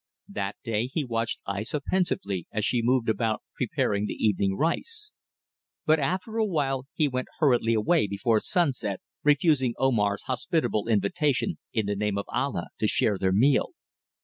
That day he watched Aissa pensively as she moved about preparing the evening rice; but after awhile he went hurriedly away before sunset, refusing Omar's hospitable invitation, in the name of Allah, to share their meal.